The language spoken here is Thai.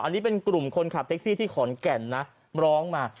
อันนี้เป็นกลุ่มคนขับแท็กซี่ที่ขอนแก่นนะร้องมา